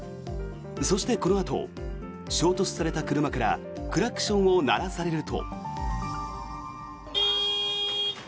そしてこのあと衝突された車からクラクションを鳴らされると。